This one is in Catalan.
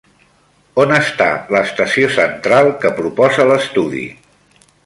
On està l'estació central que proposa l'estudi?